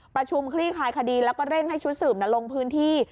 คลี่คลายคดีแล้วก็เร่งให้ชุดสืบลงพื้นที่